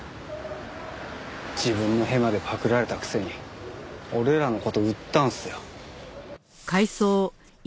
自分のヘマでパクられたくせに俺らの事売ったんすよ。